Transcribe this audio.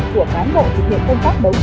của cán bộ thực hiện công tác bấu tranh